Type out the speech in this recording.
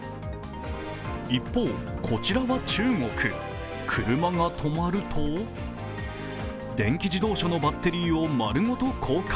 一方、こちらは中国車が止まると電気自動車のバッテリーを丸ごと交換。